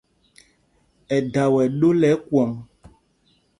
Ɛdaa wɛ ɗó lɛ́ ɛkwɔ̌ŋ.